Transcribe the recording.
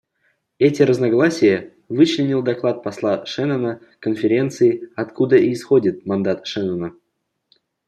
Эти разногласия вычленил доклад посла Шеннона Конференции, откуда и исходит мандат Шеннона.